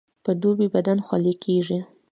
په دوبي بدن خولې کیږي